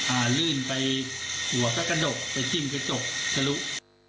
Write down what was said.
อ้ารื่นไปหัวซ้ากระดกไปสิ่งเครียดดอกเฉลิก